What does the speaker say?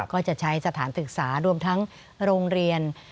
ก็จะใช้สถานศึกษารวมทั้งโรงเรียน